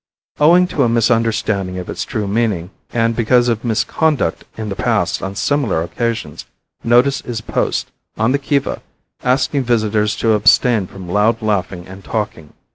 Owing to a misunderstanding of its true meaning, and because of misconduct in the past on similar occasions, notice is posted on the Kiva asking visitors to abstain from loud laughing and talking.